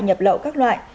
nhập lậu các loại